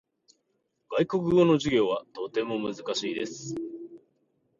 外国語の授業はとても難しいです。